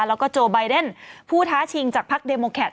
แล้วก็โจไบเดนผู้ท้าชิงจากพักเดโมแคท